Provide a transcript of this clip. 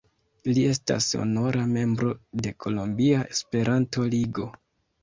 Li estas honora membro de Kolombia Esperanto-Ligo.